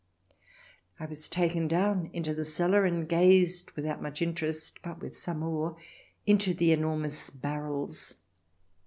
I was taken down into the cellar, and gazed without much interest, but with some awe, into the enormous barrels.